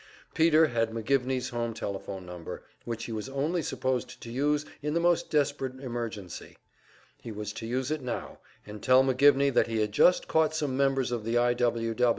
Peter had McGivney's home telephone number, which he was only supposed to use in the most desperate emergency. He was to use it now, and tell McGivney that he had just caught some members of the I.